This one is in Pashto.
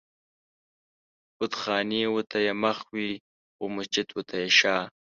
بتخانې و ته يې مخ وي و مسجد و ته يې شا